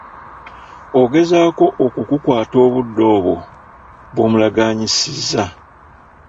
Ogezaako okukukwata obudde obwo bw'omulaganyiisizza?